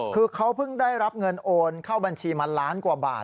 คือเขาเพิ่งได้รับเงินโอนเข้าบัญชีมาล้านกว่าบาท